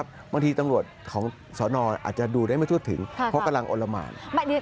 บางทีตำรวจของสนอาจจะดูได้ไม่ทั่วถึงเพราะกำลังอลละหมาน